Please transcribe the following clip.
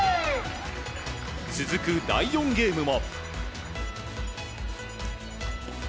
続く第４ゲームも。